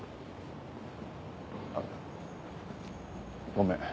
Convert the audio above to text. あっごめん。